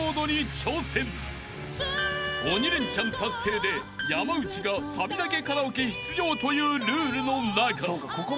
［鬼レンチャン達成で山内がサビだけカラオケ出場というルールの中］